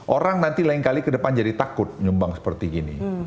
orang nanti lain kali ke depan jadi takut nyumbang seperti gini